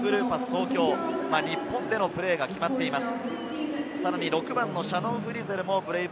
東京、日本でのプレーが決まっています。